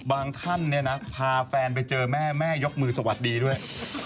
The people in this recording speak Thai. บางท่านพาแฟนเจอแม่ยกมือสวัสดีด้วย